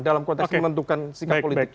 dalam konteks menentukan sikap politik